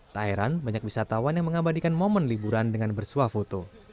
tak heran banyak wisatawan yang mengabadikan momen liburan dengan bersuah foto